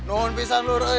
ini anak muhade